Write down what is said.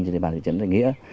trên địa bàn thị trấn đại nghĩa